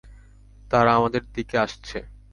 তারা আমাদের দিকে আসছে।